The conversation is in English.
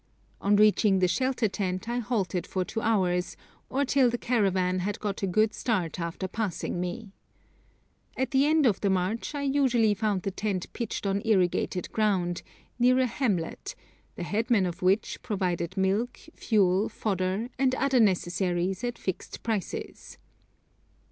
On reaching the shelter tent I halted for two hours, or till the caravan had got a good start after passing me. At the end of the march I usually found the tent pitched on irrigated ground, near a hamlet, the headman of which provided milk, fuel, fodder, and other necessaries at fixed prices.